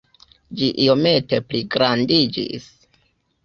Ĝi iomete pligrandiĝis.